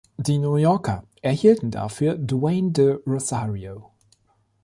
Die New Yorker erhielten dafür Dwayne De Rosario.